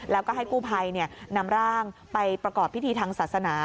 แล้วก็ให้กู้ภัยนำร่างไปประกอบพิธีทางศาสนา